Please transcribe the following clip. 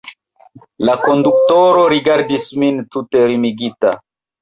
La konduktoro rigardis min tute mirigita.